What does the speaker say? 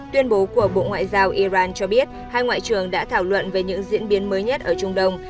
tuyên bố của bộ ngoại giao iran cho biết hai ngoại trưởng đã thảo luận về những diễn biến mới nhất ở trung đông